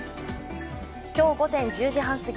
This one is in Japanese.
今日午前１０時半すぎ